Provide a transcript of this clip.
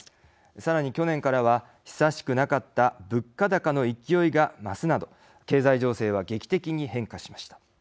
さらに去年からは久しくなかった物価高の勢いが増すなど経済情勢は劇的に変化しました。